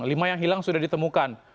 lima yang hilang sudah ditemukan